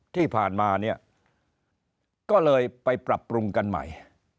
ที่ผ่านมาเนี่ยก็เลยไปปรับปรุงกันใหม่